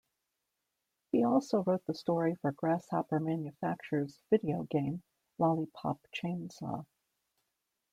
He also wrote the story for Grasshopper Manufacture's video game "Lollipop Chainsaw".